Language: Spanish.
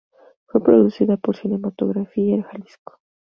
Fue producida por Cinematográfica Jalisco.